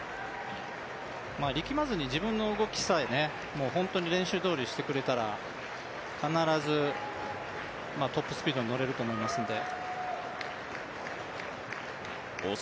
力まずに自分の動きさえ本当に練習どおりしてくれたら必ず、トップスピードに乗れると思いますので。